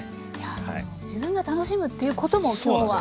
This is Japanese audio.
自分が楽しむっていうことも今日は。